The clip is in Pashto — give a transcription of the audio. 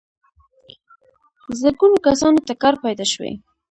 زرګونو کسانو ته کار پیدا شوی.